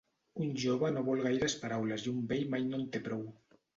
Un jove no vol gaires paraules i un vell mai no en té prou.